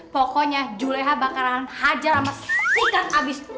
pokoknya juleha bakalan hajar sama sikan abis